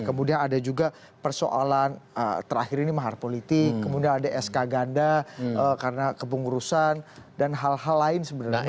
kemudian ada juga persoalan terakhir ini mahar politik kemudian ada sk ganda karena kepengurusan dan hal hal lain sebenarnya